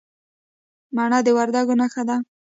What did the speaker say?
مڼه د وردګو نښه ده.